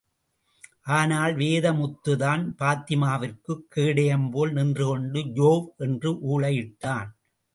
ஆனால், வேதமுத்துதான், பாத்திமாவிற்கு கேடயம்போல், நின்றுகொண்டு யோவ் என்று ஊளையிட்டான்.